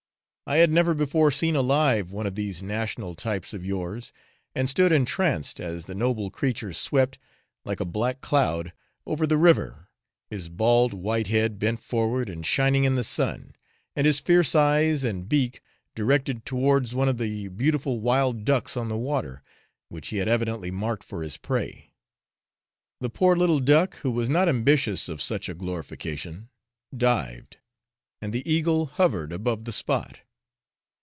I had never before seen alive one of these national types of yours, and stood entranced as the noble creature swept, like a black cloud, over the river, his bald white head bent forward and shining in the sun, and his fierce eyes and beak directed towards one of the beautiful wild ducks on the water, which he had evidently marked for his prey. The poor little duck, who was not ambitious of such a glorification, dived, and the eagle hovered above the spot.